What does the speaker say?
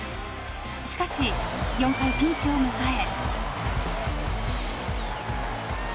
しかし４回、ピンチを迎え。